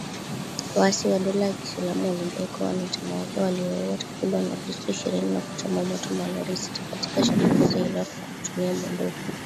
Waasi wa dola ya kiislamu walidai kuwa wanachama wake waliwauwa takribani wakristo ishirini na kuchoma moto malori sita katika shambulizi hilo kwa kutumia bunduki